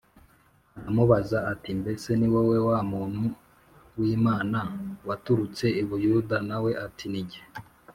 aramubaza ati “Mbese ni wowe wa muntu w’Imana waturutse i Buyuda?” Na we ati “Ni jye”